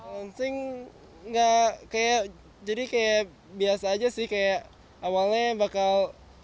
launching nggak kayak jadi kayak biasa aja sih kayak awalnya bakal